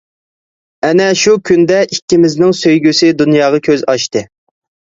ئەنە شۇ كۈندە ئىككىمىزنىڭ سۆيگۈسى دۇنياغا كۆز ئاچتى.